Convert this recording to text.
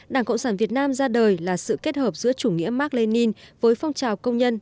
đảng cộng sản việt nam ra đời là sự kết hợp giữa chủ nghĩa mark lenin với phong trào công nhân